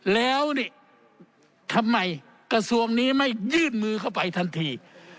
แล้วนี่ทำไมกระทรวงนี้ไม่ยื่นมือเข้าไปทันที